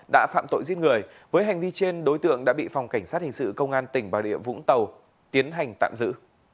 đã phạm tội giết người với hành vi trên đối tượng đã bị phòng cảnh sát hình sự công an tỉnh bà rịa vũng tàu tiến hành tạm giữ